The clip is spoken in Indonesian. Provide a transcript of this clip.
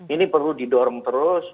ini perlu didorong terus